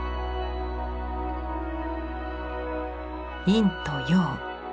陰と陽。